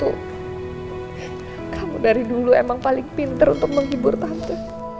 kamu dari dulu emang paling pinter untuk menghibur tante